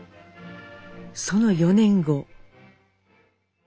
その４年後。